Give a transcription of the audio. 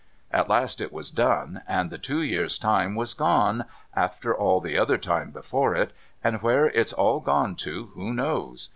At last it was done, and the two years' time was gone after all the other time before it, and where it's all gone to, who knows